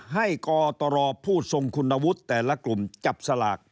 กตรผู้ทรงคุณวุฒิแต่ละกลุ่มจับสลาก